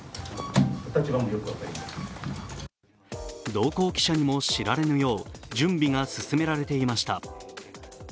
同行記者にも知られぬよう準備が進められていました。